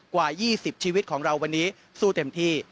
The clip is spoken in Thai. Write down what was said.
กว่า๒๐ชีวิตของเราวันนี้สู้เต็มที่